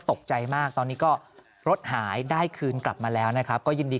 ตกใจมากตอนนี้ก็รถหายได้คืนกลับมาแล้วนะครับก็ยินดี